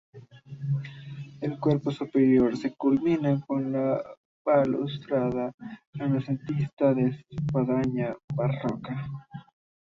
El cuerpo superior se culmina con una balaustrada renacentista y espadaña barroca.